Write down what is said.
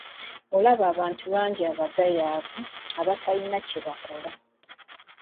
Olaba abantu bangi abagayaavu, abatalina kye bakola.